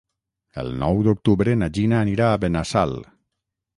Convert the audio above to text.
El nou d'octubre na Gina anirà a Benassal.